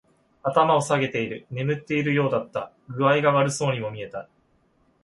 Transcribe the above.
頭を下げている。眠っているようだった。具合が悪そうにも見えた。